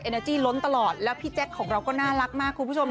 นาจี้ล้นตลอดแล้วพี่แจ๊คของเราก็น่ารักมากคุณผู้ชม